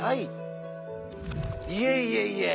いえいえいえ